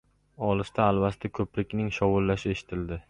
Olisda Alvasti ko‘prikning shovullashi eshitiladi.